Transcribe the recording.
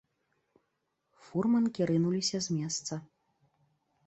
Фурманкі рынуліся з месца.